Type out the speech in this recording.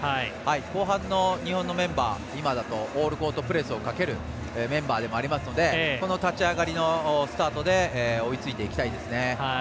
後半の日本のメンバー今だとオールコートプレスをかけるメンバーでもありますので立ち上がりのスタートで追いついていきたいですね。